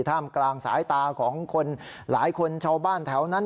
ท่ามกลางสายตาของคนหลายคนชาวบ้านแถวนั้น